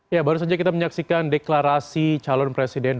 ya baru saja kita menyaksikan deklarasi calon presiden dua ribu dua puluh empat